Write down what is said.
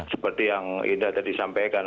seperti yang indah tadi sampaikan